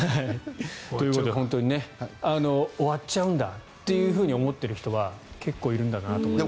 ということで本当に終わっちゃうんだと思っている人は結構いるんだなと思います。